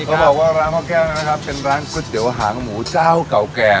เขาบอกว่าร้านพ่อแก้วนะครับเป็นร้านก๋วยเตี๋ยวหางหมูเจ้าเก่าแก่